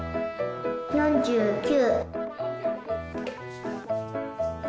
４９。